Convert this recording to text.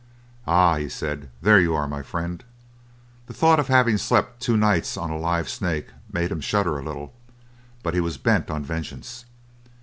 "Ah!" he said, "there you are, my friend." The thought of having slept two nights on a live snake made him shudder a little, but he was bent on vengeance.